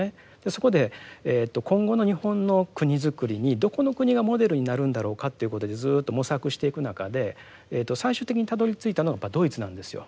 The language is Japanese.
そこで今後の日本の国づくりにどこの国がモデルになるんだろうかということでずっと模索していく中で最終的にたどりついたのはドイツなんですよ。